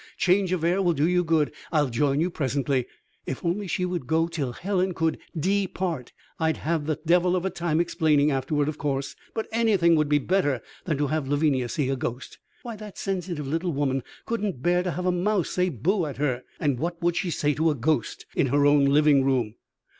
Change of air will do you good. I'll join you presently!" If only she would go till Helen could de part! I'd have the devil of a time explaining afterward, of course, but anything would be better than to have Lavinia see a ghost. Why, that sensitive little woman couldn't bear to have a mouse say boo at her and what would she say to a ghost in her own living room?